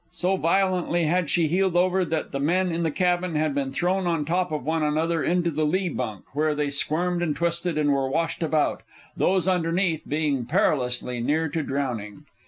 So violently had she heeled over, that the men in the cabin had been thrown on top of one another into the lee bunk, where they squirmed and twisted and were washed about, those underneath being perilously near to drowning.